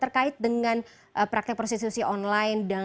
terkait dengan praktek proses institusi online